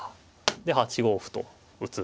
で８五歩と打つ。